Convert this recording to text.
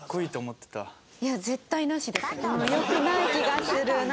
良くない気がするな。